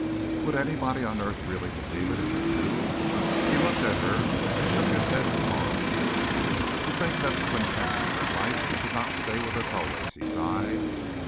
Would anybody on earth really believe it if they knew? He looked at her and shook his head sorrowfully. "To think that the quintessence of life should not stay with us always." He sighed.